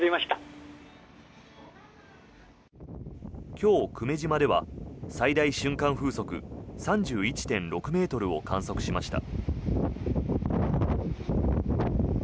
今日、久米島では最大瞬間風速３１．６ｍを観測しました。